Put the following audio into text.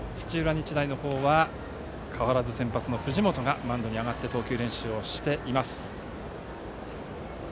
日大は、変わらず先発の藤本がマウンドに上がり投球練習をしています。